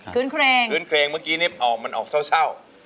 คืนเพลงเมื่อกี้นี้มันออกเศร้า